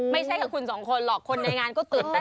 ไม่ใช่แค่คุณสองคนหรอกคนในงานก็ตื่นเต้น